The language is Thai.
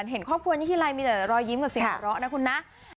เห็นครอบครัวนี้ทีไรมีแต่รอยยิ้มกับเสียงหัวเราะนะคุณนะ